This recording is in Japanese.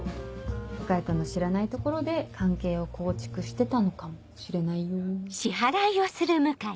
向井君の知らないところで関係を構築してたのかもしれないよ。